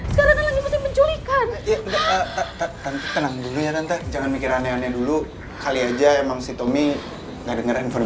sekarang kan lagi masih pencuri